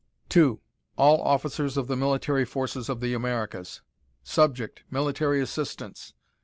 "To: All Officers of the Military Forces of the Americas. Subject: Military Assistance.